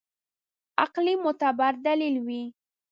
عقلي معتبر دلیل وي.